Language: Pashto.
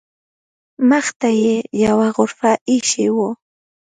مخې ته یې یوه غرفه ایښې وه.